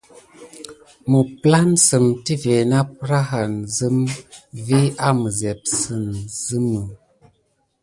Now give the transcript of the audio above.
Məpplansəm tive napprahan zəmə vis amizeb sine sime.